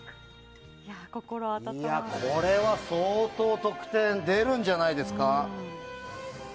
これは相当、得点でるんじゃないですか？